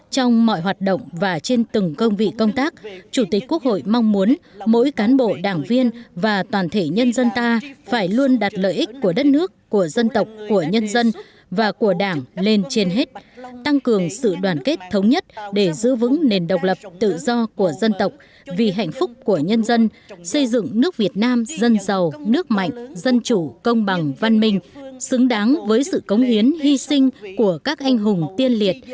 trong mọi hoạt động và trên từng công vị công tác chủ tịch quốc hội mong muốn mỗi cán bộ đảng viên và toàn thể nhân dân ta phải luôn đạt lợi ích của đất nước của dân tộc của nhân dân và của đảng lên trên hết tăng cường sự đoàn kết thống nhất để giữ vững nền độc lập tự do của dân tộc vì hạnh phúc của nhân dân xây dựng nước việt nam dân giàu nước mạnh dân chủ công bằng văn minh xứng đáng với sự cống hiến hy sinh của các anh hùng tiên liệt